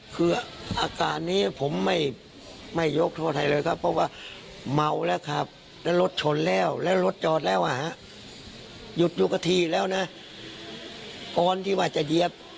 คือตัวนี้มันพยายามจะค่ายได้นะครับ